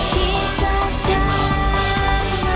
segala cinta dan luka